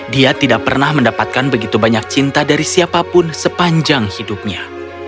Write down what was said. dia tidak pernah mendapatkan begitu banyak cinta dari siapapun sepanjang hidupnya